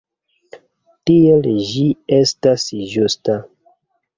Tiel ĝi estas ĝusta.